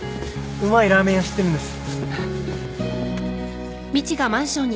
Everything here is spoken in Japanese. うまいラーメン屋知ってるんです。